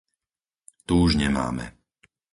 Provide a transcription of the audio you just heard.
Tu už nemáme.